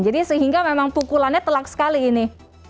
jadi sehingga memang pukulannya telak sekali ini